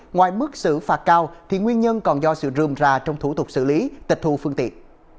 ngoài mức xử phạt cao thì nguyên nhân còn do sự rừng ra trong thủ thuật xử lý tịch thu phương tiện